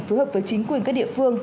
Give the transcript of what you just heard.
phù hợp với chính quyền các địa phương